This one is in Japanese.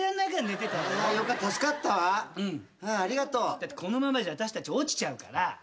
だってこのままじゃ私たち落ちちゃうから。